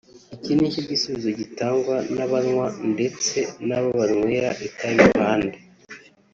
Iki ni cyo gisubizo gitangwa n’abanywa ndetse n’abo banywera itabi iruhande